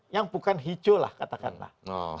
yang bukan hijau lah katakanlah